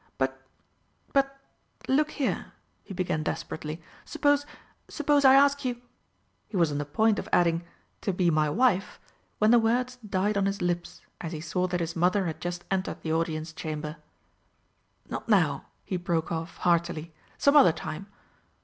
"But but look here," he began desperately, "suppose suppose I ask you" he was on the point of adding, "to be my wife," when the words died on his lips as he saw that his mother had just entered the Audience Chamber. "Not now," he broke off heartily, "some other time."